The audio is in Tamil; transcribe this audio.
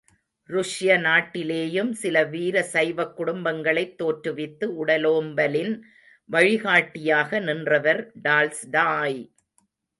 ருஷ்ய நாட்டிலேயும் சில வீரசைவக் குடும்பங்களைத் தோற்றுவித்து உடலோம்பலின் வழிகாட்டியாக நின்றவர் டால்ஸ்டாய்!